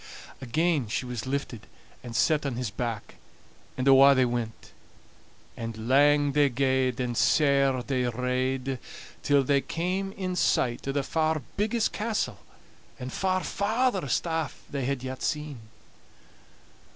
Again she was lifted and set on his back, and awa' they went. And lang they gaed, and sair they rade, till they came in sight o' the far biggest castle, and far farthest aff, they had yet seen.